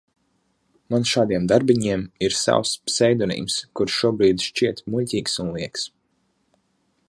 Man šādiem darbiņiem ir savs pseidonīms, kurš šobrīd šķiet muļķīgs un lieks.